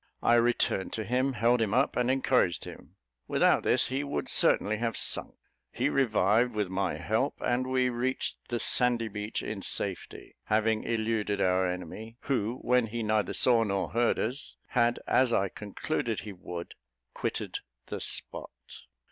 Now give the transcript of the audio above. I returned to him, held him up, and encouraged him. Without this, he would certainly have sunk; he revived with my help, and we reached the sandy beach in safety, having eluded our enemy; who, when he neither saw or heard us, had, as I concluded he would, quitted the spot.